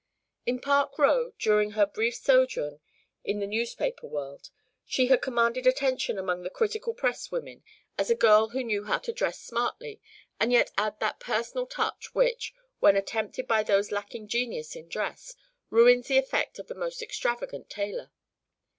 In Park Row during her brief sojourn in the newspaper world, she had commanded attention among the critical press women as a girl who knew how to dress smartly and yet add that personal touch which, when attempted by those lacking genius in dress, ruins the effect of the most extravagant tailor.